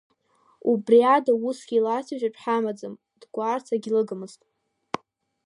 Убри ада усгьы лацәажәатә ҳамаӡам, дгәаарц агьлыгмызт.